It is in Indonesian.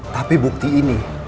tapi bukti ini